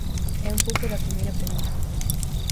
É un pouco o da primeira pregunta.